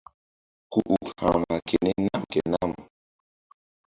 Ku uk ha̧rma keni nam ke nam.